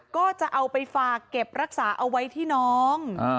ก็จะเอาไปฝากเก็บรักษาเอาไว้ที่น้อง